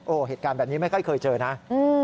โอ้โหเหตุการณ์แบบนี้ไม่ค่อยเคยเจอนะอืม